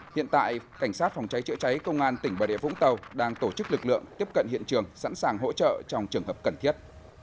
hiện tại cảnh sát phòng cháy chữa cháy công an tỉnh bà rịa vũng tàu đang tổ chức lực lượng tiếp cận hiện trường sẵn sàng hỗ trợ trong trường hợp cần thiết